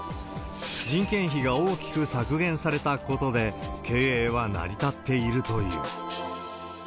人件費が大きく削減されたことで、経営は成り立っているという。